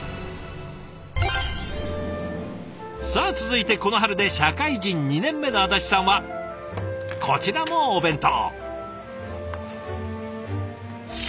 さあ続いてこの春で社会人２年目の安達さんはこちらもお弁当。